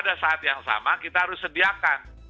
pada saat yang sama kita harus sediakan